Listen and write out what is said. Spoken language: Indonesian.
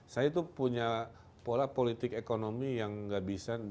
saya itu punya pola politik ekonomi yang gak bisa